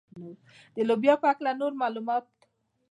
د لوبیا په هکله نور معلومات.